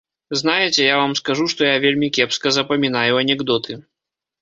Знаеце, я вам скажу, што я вельмі кепска запамінаю анекдоты.